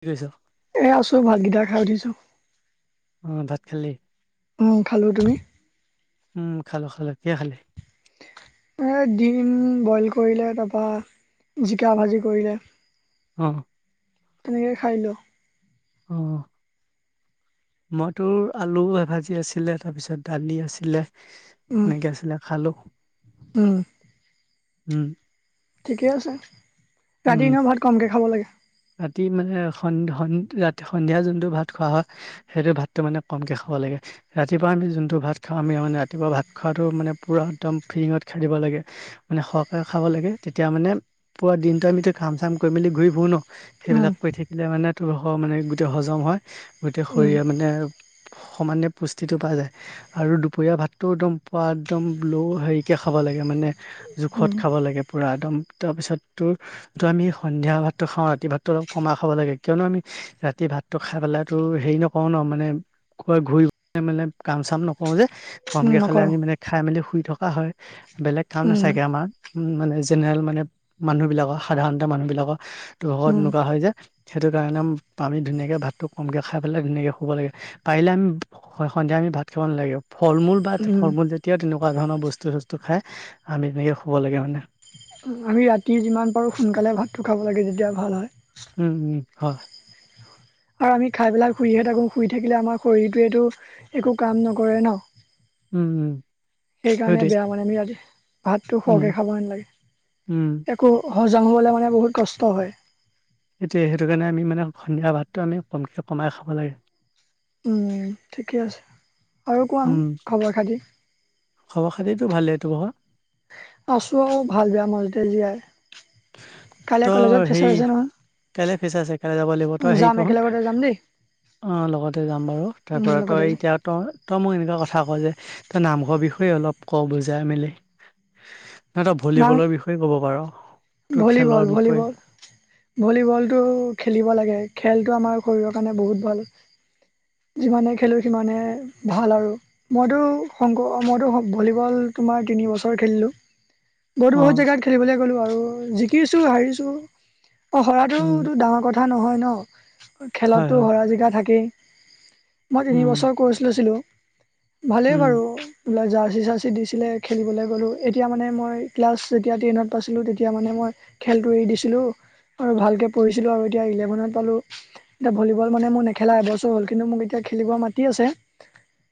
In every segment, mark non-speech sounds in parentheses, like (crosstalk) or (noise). কি কৈছ এ আছো ভাতকেইটা খাই উঠিছো। অ ভাত খালি? অ খালোঁ তুমি উম খালো খালো কিহে খালি। ডিম বইল কৰিলে তাৰপৰা জিকা ভাজি কৰিলে। অ তেনেকে খাই দিলো আৰু অ মইতো আলু এ ভাজি আছিলে তাৰপিছত দালি আছিলে। উম হেনেকে আছিলে খালো। উম উম ঠিকে আছে, উম। ৰাতি এনেও ভাত কমকে খাব লাগে। ৰাতি মানে ৰাতি সন্ধিয়া যোনটো ভাত খোৱা হয় সেইটো ভাতটো মানে কমকে খাব লাগে। ৰাতিপুৱা আমি যোনটো ভাত খাওঁ আমি মানে ৰাতিপুৱা ভাত খাওতে মানে পুৰা একদম ফ্ৰিঙত খাই দিব লাগে মানে স খাব লাগে তেতিয়া মানে পোৰা দিন আমি খাম চাম কৰি মেলি ঘূৰি ফোৰ ন উম সেইবিলাক কৰি থাকিলে মানে তোৰ মানে গোটেই হজম হয় গতিকে উম শৰিৰে মানে। সমানে পুষ্টিটো পোৱা যায় আৰু দুপৰীয়া ভাতটো একদম পোৱা একদম ল' হেৰিকে খাব লাগে মানে জোখত উম খাব লাগে পুৰা একদম তাৰপিছত তোৰ তটো আমি সন্ধিয়া ভাতটো খাওঁ ৰাতি ভাতটো অলপ কমা খাব লাগে কিয়নো আমি ৰাতি ভাতটো খাই পেলাই হেৰি নকওঁ ন মানে কয় ঘূৰি মানে কাম চাম নকও যে উম কমকে খালে নকৰো আমি মানে খাই মেলি শুই থকা হয় বেলেগ কাম উম নাথাকে আমাৰ, উ মানে জেনেৰেল মানে মানুহ বিলাকৰ সাধাৰণ মানুহ বিলাকৰ তত উম এনেকুৱা হয় যে। সেইটো কাৰণে আমি ধুনীয়াকে ভাতটো কমকে খাই পেলাই ধুনীয়াকে শুব লাগে পাৰিলে আমি সন্ধিয়া আমি ভাত খাব নালাগে। ফল মূল বা উম ফল মূল যেতিয়াও তেনেকুৱা ধৰণৰ বস্তু চস্তু খাই আমি তেনেকে শুব লাগে মানে আমি ৰাতি যিমান পাৰোঁ সোনকালে ভাতটো খাব লাগে যেতিয়া ভাল হয় উম উম হয়। আৰু আমি খাই পেলাই শুইহে থাকো শুই থাকিলে আমাৰ শৰীৰটোৱে এইটো একো কাম নকৰে ন উম উম হয় সেইকাৰণে দেই, বেয়া মানে আমি ই ভাতটো উম, শৱকে খাব নালাগে, উম, একো হজম হ'বলৈ মানে বহুত কষ্ট হয়। এতিয়া সেইটো কাৰণে আমি মানে সন্ধিয়া ভাতটো আমি কমকে কমাই খাব লাগে। উম ঠিকে আছে আৰু কোৱা খবৰ খাতি। খব খাতিতো ভালেই তোমাৰ আছো আৰু ভাল বেয়া মাজতে জীয়াই। কাইলে কলেজত ফেৰ্চাচ আছে নহয়। কেইলে ফেচাচ আছে কাইলৈ যাব লাগিব তই হেৰি যাম কৰচোন। একেলগতে যাম দেই অ লগতে যাম বাৰু তাৰ উম পৰা লগতে তই যাম এতিয়া তই তই মোক এনেকুৱা কথা ক যে তই নামঘৰ বিষয়ে অলপ ক বুজাই মেলি। নহয় তই যাম ভলীবলৰ বিষয়ে ক'ব পাৰ। তোৰ খেলৰ ভলীবল বিষয়ে ভলীবল ভলীবলটো খেলিব লাগে খেলটো আমাৰ শৰীৰৰ কাৰণে বহুত ভাল। যিমানে খেলোঁ সিমানে ভাল আৰু মইতো শংকৰ মইতো ভলীবল তোমাৰ তিন বছৰ খেলিলোঁ (unintelligible) বহুত বহুত জেগাত খেলিবলে গ'লো আৰু জিকিছো হাৰিছো অ উম, হৰাতোটো ডাঙৰ কথা কথা নহয় ন হয়, খেলতো হয়, হৰা জিকা থাকেই মই তিন উম, বছৰ কৰ্চ লৈছিলো ভালেই উম, বাৰু বোলে জাৰ্চি চাৰ্চি দিছিলে খেলিবলৈ গ'লোঁ। এতিয়া মানে মই ক্লাছ যেতিয়া টেনত পাইছিলোঁ তেতিয়া মানে মই খেলটো এৰি দিছিলোঁ আৰু ভালকে পঢ়িছিলো আৰু এতিয়া ইলেভেনত পালো। এতিয়া ভলীবল মানে মোৰ নেখেলা এবছৰ হ'ল। কিন্তু মোক এতিয়া খেলিব মাতি আছে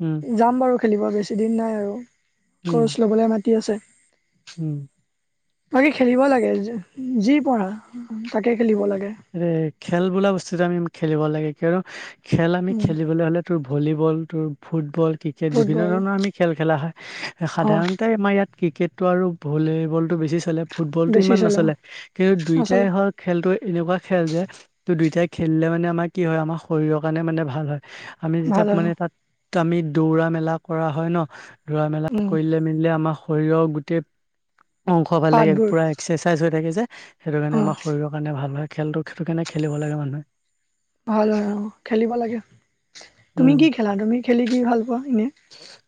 উম, যাম বাৰু খেলিব বেছিদিন নাই আৰু উম, কৰ্ছ ল'বলৈ মাতি আছে উম বাকী খেলিব লাগে যি পৰা তাকে খেলিব লাগে। খেল বোলা বস্তুত আমি খেলিব লাগে কিয়নো খেল আমি উম, খেলিবলে হলে তোৰ ভলী বল ফুটবল ক্ৰিকেট বিভিন্ন ফুটবল ধৰণৰ আমি খেল খেলা হয়। হয় সাধাৰণতে আমাৰ ইয়াত ক্ৰিকেটটো আৰু ভলীবলটো বেছি চলে ফুটবলতটো বেছি ইমান চলে নচলে কিন্তু দুইটাই নচলে হওক খেলতো এনেকোৱা খেল। দুইটাই খেলিলে মানে আমাৰ কি হয় আমাৰ শৰীৰৰ কাৰণে মানে ভাল হয়। আমি যেতিয়া ভাল হয় মানে তাত আমি দৌৰা মেলা কৰা হয় ন ৰোৱা মেলা উম, কৰিলে মেলিলে আমাৰ শৰীৰৰ গোটেই অংশ ভাল লাগে পাতবোৰ পুৰা এক্সাৰচাইজ হৈ থাকে যে সেইটো কাৰণে অ আমাৰ শৰীৰৰ কাৰণে ভাল হয়। খেলটোটো হেতু কাৰণে খেলিব লাগে মানুহে ভাল হয় অ খেলিব লাগে তুমি উম কি খেলা তুমি খেলি কি ভাল পোৱা এনে?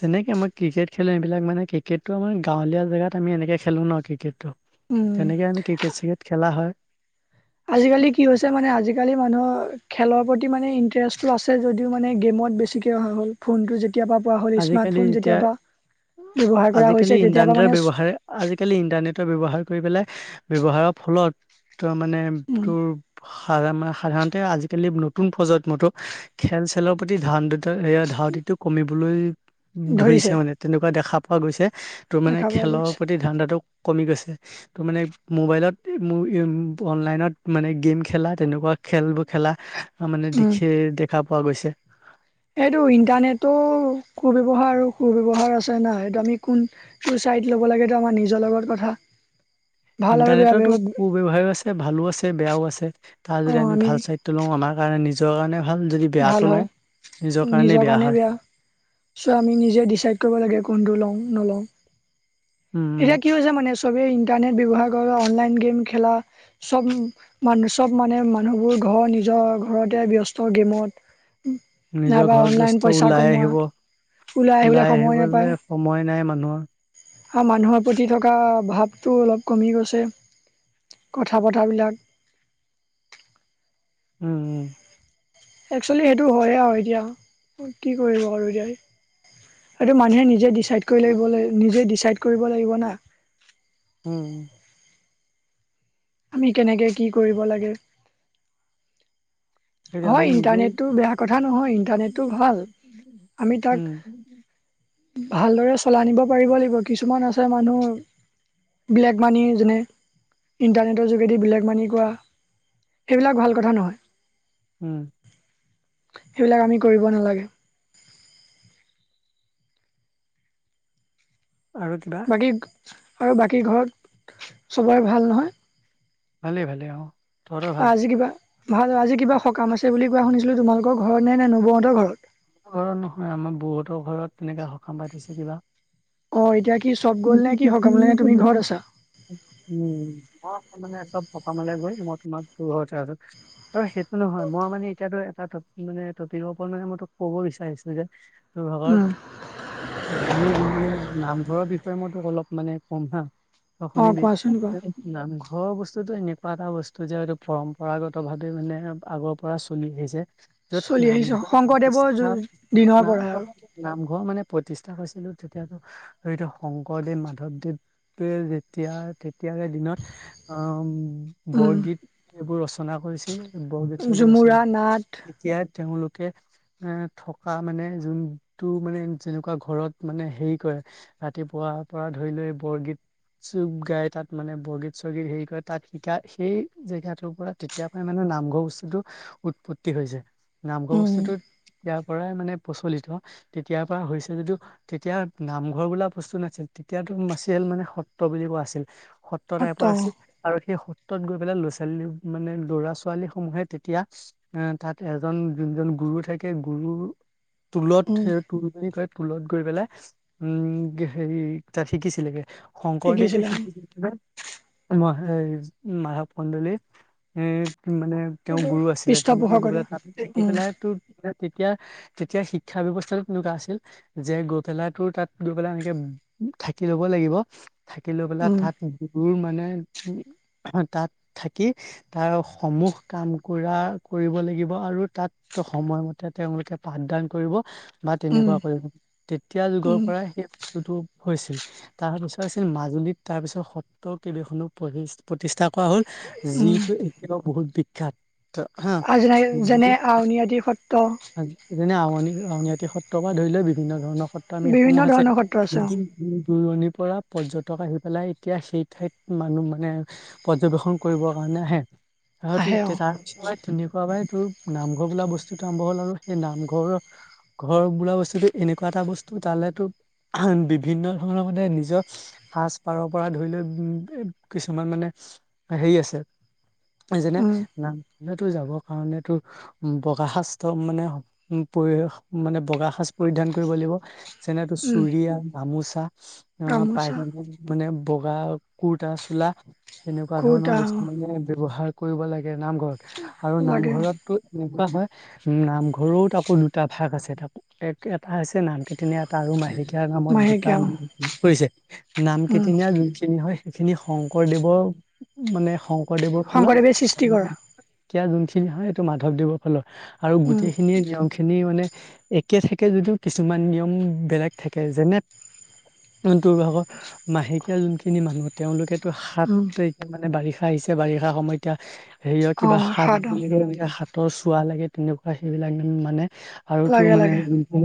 তেনেকৈ মই ক্ৰিকেট খেলো এইবিলাক মানে ক্ৰিকেটটো আমাৰ গাঁৱলিয় জেগাত আমি এনে যে খেলোঁ ন ক্ৰিকেটটো উম। তেনেকে আমি ক্ৰিকেট চিকেট খেলা হয়। আজিকালি কি হৈছে মানে আজিকালি মানুহৰ খেলৰ প্ৰতি মানে ইণ্টাৰেষ্টটো আছে যদিও মানে গেমত বেছি ঠিকে অহা হ'ল ফোন টো যেতিয়া পোৱা হ'ল আজিকালি স্মাৰ্ট ফোন এতিয়া যেতিয়া পা আজিকালি ইণ্টাৰনেটৰ ব্যৱহাৰে আজিকালি ইন্টাৰনেটৰ ব্যৱহাৰ কৰি পেলাই ব্যৱহাৰৰ ফলত ত মানে উম তোৰ সা মানে সাধাৰণতে আজিকালি নতুন প্ৰজন্মতো খেল চেলৰ প্ৰতি ধান দুটা ধান টো কমিবলৈ ধৰিছে মানে তেনেকুৱা দেখা পোৱা গৈছে তোৰ মানে দেখা পোৱা খেলৰ গৈছে। প্ৰতি ধানদাটো কমি গৈছে। ত মানে মোবাইলত মোৰ অনলাইনত মানে গেম খেলা তেনেকুৱা খেলবোৰ খেলা লা মানে উম দেখি দেখা পোৱা গৈছে। এইটো ইণ্টাৰনেটো কু ব্যৱহাৰ আৰু সু ব্যৱহাৰ আছে না এইটো আমি কোনটো ছাইড ল'ব লাগে সেইটো আমাৰ নিজৰ লগত কথা। ভাল আৰু বেয়া বেয়া ইন্টাৰনেটৰো কু ব্যৱসায় আছে ভালো আছে বেয়াও আছে তাৰ যদি আমি ভাল চাইটো লওঁ আমাৰ কাৰণে নি ভাল হয় নিজৰ কাৰণে বেয়া। চ' আমি নিজে ডিচাইড কৰিব লাগে কোনটো লওঁ নলওঁ? এতিয়া উম কি হৈছে মানে নেছ চবেই ইণ্টাৰনেট ব্যৱহাৰ কৰা অনলাইন গেম খেলা চব মানুহ চব মানে মানুহবোৰ ঘৰৰ নিজৰ ঘৰতে ব্যস্ত গেমত নিজৰ নাইবা ঘৰত অনলাইন ব্যস্ত পইচা ওলাই কমোৱা আহিব। আহিবলৈ ওলাই সময় নাপায় আহিবলৈ সময় নাই মানুহৰ। মানুহৰ প্ৰতি থকা ভাৱটো অলপ কমি গৈছে। কথা পতাবিলাক উম উম। একচোৱেলি সেইটো হয় আৰু এতিয়া কি কৰিব আৰু এতিয়া। এইটো মানুহে নিজে ডিচাইড কৰি লাগিব লাগ নিজে ডিচাইড কৰিব লাগিব না? উম। আমি কেনেকে কি কৰিব লাগে সেইটো আমি হয়' নিজেই ইণ্টাৰনেটটো বেয়া কথা নহয়। ইণ্টাৰনেটটো ভাল আমি উম তাক ভালদৰে চলাই নিব পাৰিব লাগিব কিছুমান আছে মানুহ ব্লেক মানি যেনে, ইণ্টাৰনেটৰ যোগেদি ব্লেক মানি কোৱা এইবিলাক ভাল কথা নহয়। উম। সেইবিলাক আমি কৰিব নালাগে। আৰু কিবা? বাকী আৰু বাকী ঘৰত চবৰে ভাল নহয়? ভালে ভালে অ। তহঁতৰ অ' ভাল আজি কিবা ভাল আজি কিবা সকাম আছে বুলি কোৱা শুনিছিলো তোমালোকৰ ঘৰত নে নে নৱৌহতৰ ঘৰত? ঘৰত নহয় আমাৰ বহুতৰ ঘৰত তেনেকা সকাম পাতিছে কিবা! অ এতিয়া কি চব গ'ল নে কি সকামলে নে তুমি ঘৰত (unintelligible) আছা মানে চব সকামলে গৈ মই তোমাক দূৰ হ তাৰপিছত আৰু সেইটো নহয় মই মানে এতিয়াতো এটা মানে তৰ পৰত মানে মই তো ক'ব বিচাৰিছিলো যে তোৰ উম ভাগত ম নামঘৰৰ বিষয়ে মইতো অলপ মানে ক'ম হা। অ' শুনিবি, কোৱাচোন কোৱা নামঘৰ বস্তু বস্তুতো এনেকুৱা এটা বস্তু যে হয়টো পৰম্পৰাগতভাৱে মানে আগৰ পৰা চলি আহিছে। চলি আহিছ। শংকৰদেৱৰ হ যু- দিনৰ না পৰাই আৰু নামঘৰ মানে প্ৰতিষ্ঠা কৰিছিলো তেতিয়াতো ধৰি শংকৰদেৱ -মাধৱদেৱে যেতিয়া এতিয়া দিনত অ উম বৰগীত এইবোৰ ৰচনা কৰিছিল বৰগীত চৰগীত ৰ পুৰা নাট এতিয়া তেওঁলোকে এ থকা মানে যোনটো মানে যেনেকুৱা ঘৰত মানে হেৰি কৰে ৰাতিপুৱা তাৰপৰা ধৰি লৈ বৰগীত চুপ গাই তাত মানে বৰগীত চৰগীত হেৰি কৰে তাত শিকা সেই জেগাটোৰ পৰা তেতিয়া পৰাই মানে নামঘৰ বস্তুতো উৎপত্তি হৈছে। নামঘৰ উম বস্তুটোত তেতিয়াৰ পৰাই মানে প্ৰচলিত। তেতিয়াৰ পৰা হৈছে যদিও তেতিয়া নামঘৰ বোলা বস্তু নাছিল এতিয়াতো মাৰ্চিয়েল মানে সত্ৰ বুলি কোৱা আছিল। সত্ৰ টাইপত আছিল আৰু সেই সত্ৰ- ত গৈ পেলাই ল'ৰা-ছোৱালী মানে ল'ৰা ছোৱালী সমূহে তেতিয়া এ তাত এজন যোনজন গুৰু থাক গুৰুৰ তুলত উম সেই তুল বুলি কয় তুলত গৈ পেলাই উম হেৰি তাত শিকিছিলে গে। শংকৰদেৱে শিকিছিলে শিকি লিখিলে মই এই মাধৱ কন্দলী এ মানে তেওঁ গুৰু আছিলে পৃষ্ঠপোষকতা তেনেকে উম পেলাই তোত তেতিয়া তেতিয়া শিক্ষা ব্যৱস্থাতো তেনেকুৱা আছিল যে গৈ পেলাই টোৰ তাত দুবেলা এনেকে থাকি লব লাগিব থাকি লৈ পেলাই উম তাত গুৰু মানে উম তাত থাকি তাৰ সমূহ কাম কৰা কৰিব লাগিব। আৰু তাত তশ সময় মতে তেওঁলোকে পাঠদান কৰিব। বা উম তেনেকুৱা কৰি তেতিয়া যুগৰ উম পৰাই সেই বস্তুটো। হৈছিল তাৰ পিছত হৈছিল মাজুলীত তাৰপিছত সত্ৰ কেইবাখনো প্ৰতিষ্ঠ প্ৰতিষ্ঠা কোৱা হল উম যিটোটো এতিয়া বহুত বিখ্যাত। হা যেনে আউনীআদি সত্ৰ আ যেনে আউনীআটী সত্ৰখন ধৰি লও বিভিন্ন ধৰণৰ সত্ৰ বিভিন্ন আমিসমূহ হৈছে ধৰণৰ সত্ৰ আছে অ দূৰণিৰ পৰা পৰ্যটক আহি পেলাই এতিয়া সেই ঠাইত মানুহ মানে পৰ্যবেক্ষন কৰিবৰ কাৰণ নাহে হয় আহে অ তোৰ তাৰ পিছত তেনেকুৱা মাই তোৰ নামঘৰ বোলা বস্তু আৰম্ভ হ'ল আৰু সেই নামঘৰ। ঘৰ বোৱা বস্তুতটো এনেকুৱা এটা বস্তু তালেটো বিভিন্ন ধৰণৰ মানে নিজৰ সাজ পাৰৰ পৰা ধৰি লৈ উম কিছুমান মানে হেৰি আছে। যেনে উম নামখনে যাবৰ কাৰণ তো উ বগা সাজ ম মানে পৰি মানে বগা সাজ পৰিধান কৰিব লাগিব। যেনেতো উম চুৰিয়া গামোচা আহ পাই গামোচা যান মানে বগা কুৰ্তা চোলা সেনেকুৱা ধৰণৰ কুৰ্তা বস্তু অ, মানে ব্যৱহাৰ কৰিব লাগ- নামঘৰত আৰু লাগে অ নামঘৰতো এনেকুৱা হয়। উ নামঘৰতত আকৌ দুটা ভাগ আছে তাক এক এটা হৈছে নাম কীৰ্তনীয়া এটা আৰু মাহেকীয়া নামত দুটা মাহেকীয়া অ কৰিছে। নাম উম কেইদিনীয়া যোনখিনি হয় সেইখিনি শংকৰদেৱৰ মানে শ কৰ দেৱ ফাল শংকৰদেৱে সৃষ্টি কৰা এতিয়া যোনখিনি হয় সেইটো মাধৱ দেৱৰ ফালৰ আৰু উম গোটেইখিনিয়ে নিয়ম খিনি মানে একে থাকে যদিও কিছুমান নিয়ম বেলেগ থাকে। যেনে- ন্তোৰ ভাগৰ মাহেকীয়া যোনখিনি মানুহ তেওঁলোকে টো সাত উম তাৰিখে মানে বাৰিষা আহিছে বাৰিষা সময় এতিয়া হেৰিয় অ কিবা হাত সাত অ এনে হাতৰ চোৱা লাগে তেনেকুৱা সেইবিলাক এক মানে আৰু তোৰ লাগে মানে লাগে যোনখন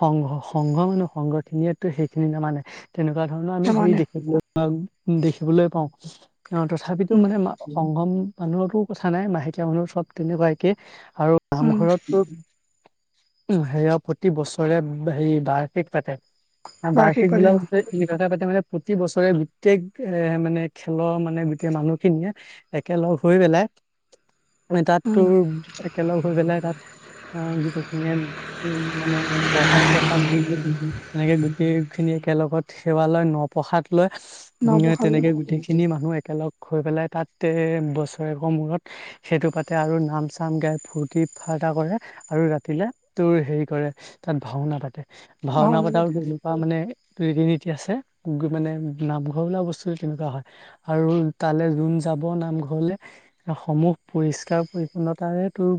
সংঘ সংঘ মানুহ সংঘ খিনিয়ো সেইখিনি নামানে তেনেকুৱা ধৰণৰ আমি হেৰি সমানে দেখিলোঁ। উ দেখিবলৈ পাওঁ অ তথাপিতো উম মানে সংগম মানুহৰো কথা নাই মাহেকীয়া মানুহৰ চব তেনেকুৱা একে আৰু উম নামঘৰতো উম সেয়া প্ৰতি বছৰে সে বাৰ্ষিক পাতে। বাৰ্ষিক পাতে বিলাক অ এনেকোৱা পাতে প্ৰতি বছৰে গোটেই এ মানে খেলৰ মানে গোটেই মানুহখিনিয়ে একেলগ হৈ পেলাই মানে তাত উম তোৰ গৈ পেলাই তাত অ গোটেইখিনিয় মানে (unintelligible) এনেকে গোটেই খিনি একেলগত সেৱা লয় নপ্ৰসাদ লয় নৱপ্ৰসাদ লয় তেনেকে গোটেই খিনি মানুহ একেলগ হৈ পেলাই তাতে বছৰেকৰৰ মূৰত সেইটো পাতে আৰু নাম চাম গাই। ফূৰ্তি-ফাৰ্তা কৰে আৰু ৰাতিলে তোৰ হেৰি কৰে তাত ভাওনা পাতে। ভাওনা পতা তেনেকুৱা মানে টো ৰীতি-নীতি আছে। মানে নামঘৰ বোলা বস্তুটো তেনেকুৱা হয়। আৰু তালে যোন যা ব নামঘৰলে, সমূহ পৰিষ্কাৰ- পৰিছন্নতাৰে তোৰ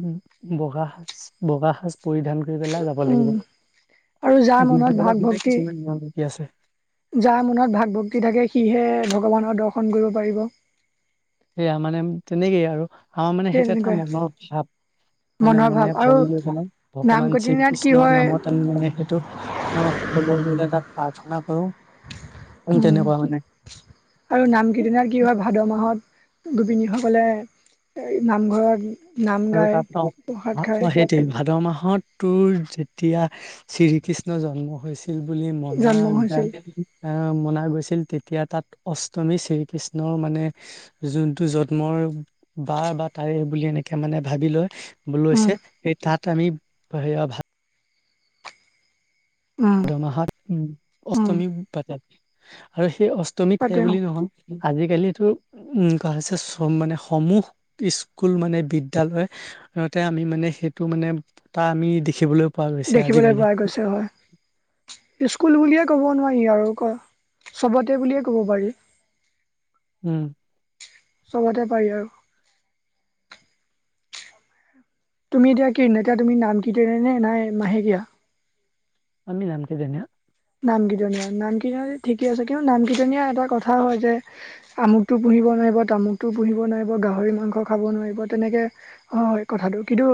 বগা সাজ- বগা সাজ পৰিধান কৰি পেলাই যাব উম লাগিব। আৰু যাৰ মনত ভাগ- তেনেকুৱা ভক্তি কিছুমান নিয়ম নীতি আছে যাৰ মনত ভাগ- ভক্তি থাকে, সিহে ভগৱানৰ দৰ্শন কৰিব পাৰিব। সেয়া মানে তেনেকেই আৰু। আমাৰ সেই মানে সেইটো এটা তেনেকুৱাই মনৰ ভাৱ। মানে মনৰ ভাৱ মনে আৰু ভাবি লৈ পেলাই, নাম ভগৱান কীৰ্তনত কি শ্ৰীকৃষ্ণৰ হয় নামত আমি মানে সেইটো অ' (unintelligible) দিলে তাত প্ৰাৰ্থনা কৰোঁ। উম। আৰু নাম-কীৰ্তনত কি হয়, ভাদ মাহত গোপিনীসকলে এ- নামঘৰত নাম আৰু গায় প্ৰসাদ তাৰপিছত- খায় অ'- সেইটোৱে। ভাদ মাহ ত তোৰ যেতিয়া শ্ৰীকৃষ্ণ জন্ম হৈছি ল বুলি মনা জন্ম হৈছিল যায় অ' মনা গৈছিল, তেতিয়া তাত অষ্টমী শ্ৰীকৃষ্ণৰ মানে যোনটো জন্মৰ বাৰ বা তাৰে বুলি এনে কে মানে ভাবি লৈ, লৈছে। উম সেই তাত আমি সেয়া ভা উম দ মাহত উম অষ্টমী পাতে। আৰু সেই অষ্ট মীক তাতে তেওঁ বুলি নহয়। আজিকালিতো উম, কোৱা হৈছে চ- মানে সমূহ স্কুল, মানে বিদ্যালয়, তে আমি মানে সেইটো মানে পতা আমি দেখিবলৈ পোৱা গৈছে দেখিবলৈ আজিকালি পোৱা গৈছে, হয়। স্কুল বুলিয়ে ক'ব নোৱাৰি আৰু ক', চবতে বুলিয়ে ক'ব পাৰি। উম। চবতে পাৰি আৰু। তুমি এতিয়া কি, এতিয়া তুমি নাম কীৰ্তনৰ নে না এ মাহেকীয়া? আমি নামকীৰ্তনীয়া। নামকীৰ্তনীয়া। নাম কীৰ্তনীয়া ঠিকে আছে। কিন্তু নাম কীৰ্তনীয়া এটা কথা হয় যে আমুকটো পুহিব নোৱাৰিব, তামুকটো পুহিব নোৱাৰিব, গাহৰি মাংস খাব নোৱাৰিব, তেনেকে হয় কথাটো, কিন্তু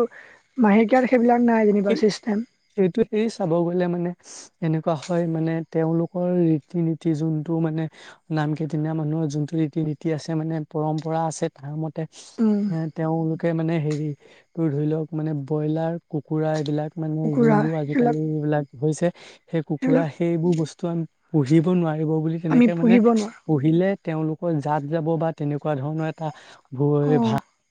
মাহেকীয়াত সেইবিলাক নাই যেনিবা সেই- ছিষ্টেম সেইটো- সেই চাব গ'লে মানে এনেকুৱা হয়, মানে তেওঁলোকৰ ৰীতি-নীতি যোনটো মানে, নামকীৰ্তনীয়া মানুহৰ যোনটো ৰীতি-নীতি আছে, মানে পৰম্পৰা আছে। তাৰ মতে এ তেওঁলোকে মানে হেৰি ধৰি লওঁক, মানে ব্ৰইলাৰ, কুকুৰা এইবিলাক মানে কুকুৰা যোনবোৰ সেইবিলাক আজিকালি এইবিলাক হৈছে সেই কুকুৰা, সেইবিলাক সেইবোৰ বস্তু আ- পুহিব নোৱাৰিব বুলি আমি তেনেকে মানে পুহিব পুহিলে তেওঁলোকৰ জাত যাব বা তেনেকুৱা ধৰণৰ এটা ভু- নোৱাৰোঁ এ অঁ ভা